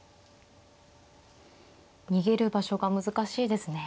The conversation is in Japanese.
逃げる場所が難しいですね。